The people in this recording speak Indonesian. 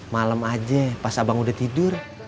malam aja pas abang udah tidur